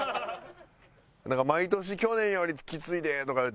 なんか毎年去年よりきついでとか言うて。